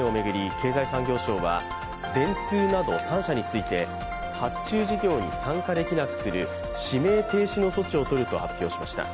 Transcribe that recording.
経済産業省は電通など３社について発注事業に参加できなくする指名停止の措置を取ると発表しました。